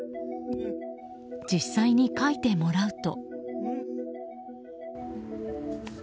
実際に書いてもらうと。